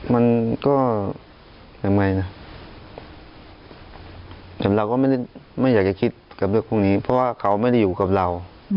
มันก็ยังไงนะแต่เราก็ไม่ได้ไม่อยากจะคิดกับเรื่องพวกนี้เพราะว่าเขาไม่ได้อยู่กับเรา